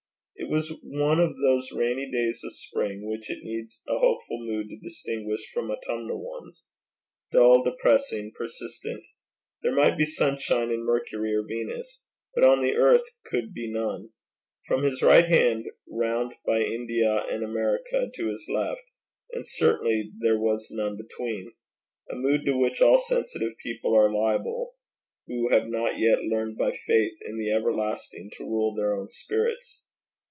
It was one of those rainy days of spring which it needs a hopeful mood to distinguish from autumnal ones dull, depressing, persistent: there might be sunshine in Mercury or Venus but on the earth could be none, from his right hand round by India and America to his left; and certainly there was none between a mood to which all sensitive people are liable who have not yet learned by faith in the everlasting to rule their own spirits.